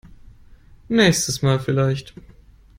Nächstes Mal vielleicht.